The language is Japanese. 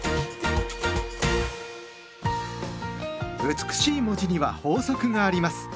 美しい文字には法則があります。